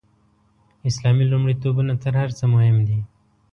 اسلامي لومړیتوبونه تر هر څه مهم دي.